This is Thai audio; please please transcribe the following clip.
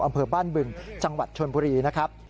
อำเภอบ้านบึงจังหวัดชนบุรีนะครับ